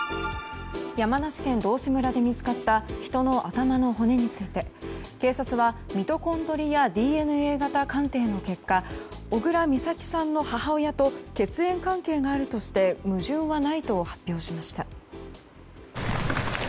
山梨県道志村で見つかった人の頭の骨について警察は、ミトコンドリアＤＮＡ型鑑定の結果小倉美咲さんの母親と血縁関係があるとして矛盾はないと発表しました。